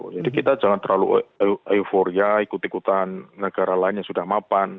jadi kita jangan terlalu euforia ikut ikutan negara lain yang sudah mapan